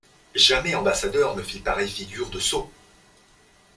Jamais ambassadeur ne fit pareille figure de sot !